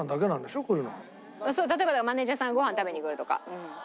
例えばマネージャーさんがごはん食べに来るとか。